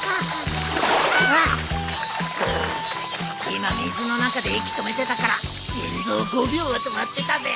今水の中で息止めてたから心臓５秒は止まってたぜ！